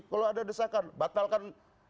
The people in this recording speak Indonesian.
kalau ada desakan batalkan